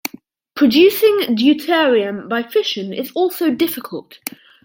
Producing deuterium by fission is also difficult.